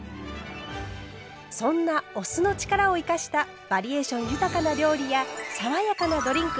そんなお酢の力を生かしたバリエーション豊かな料理や爽やかなドリンク